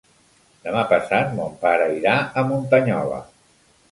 Demà passat mon pare irà a Muntanyola.